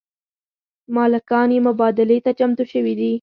مالکان یې مبادلې ته چمتو شوي دي.